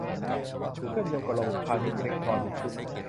เชื่อมโยงกับระบบพาณิชย์อิเล็กทรอนิกส์